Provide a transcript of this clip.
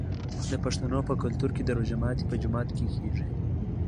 د پښتنو په کلتور کې د روژې ماتی په جومات کې کیږي.